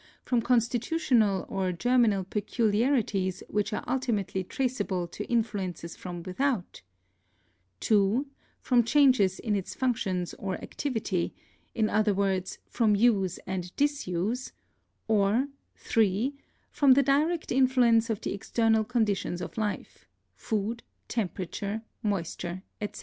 from constitutional or germi nal peculiarities which are ultimately traceable to in fluences from without; (2) from changes in its func tions or activity — in other words, from use and disuse; or (3) from the direct influence of the external condi tions of life — food, temperature, moisture, etc.